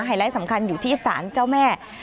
ไลท์สำคัญอยู่ที่สารเจ้าแม่